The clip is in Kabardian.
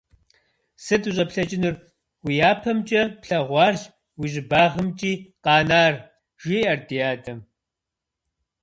– Сыт ущӀеплъэкӀынур? Уи япэмкӀэ плъэгъуарщ уи щӀыбагъымкӀи къэнар, - жиӏэрт ди адэм.